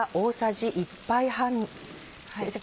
先生